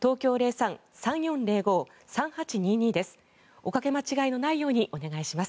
おかけ間違いのないようにお願いします。